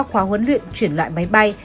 khóa huấn luyện chuyển loại máy bay